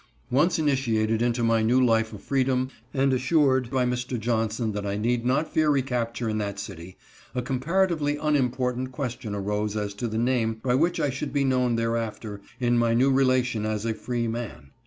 Once initiated into my new life of freedom and assured by Mr. Johnson that I need not fear recapture in that city, a comparatively unimportant question arose as to the name by which I should be known thereafter in my new relation as a free man.